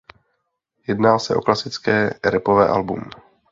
Jedná se o klasické rapové album.